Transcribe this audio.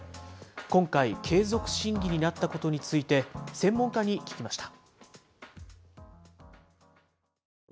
今回、継続審議になったことについて、専門家に聞きました。